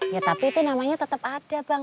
ya tapi itu namanya tetap ada bang